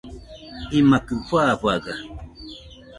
imakɨ fafaga